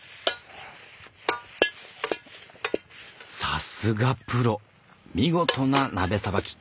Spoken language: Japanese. さすがプロ見事な鍋さばき。